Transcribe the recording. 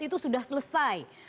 itu sudah selesai